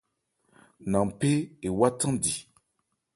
Nanphé ewá thándi.